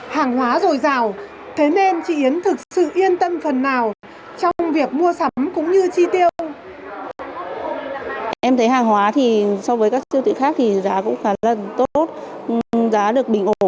hàng hóa dồi dào thế nên chị yến thực sự yên tâm phần nào trong việc mua sắm cũng như chi tiêu